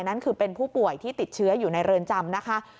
นั่นคือเป็นผู้ป่วยที่ติดเชื้ออยู่ในเรือนจำนะคะ